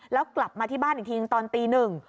แล้วกลับมาที่บ้านอีกทีหนึ่งตอนตีหนึ่ง